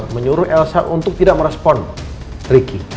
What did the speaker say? menyuruh elsa untuk tidak merespon ricky